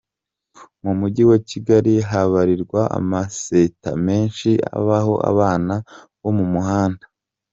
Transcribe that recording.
Mu mujyi wa Kigali habarirwa amaseta menshi abaho abana bo mu muhanda.